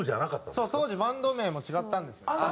そう当時バンド名も違ったんですよ。